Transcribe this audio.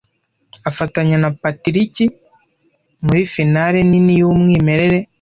afatanya na Patiriki muri finale nini yumwimerere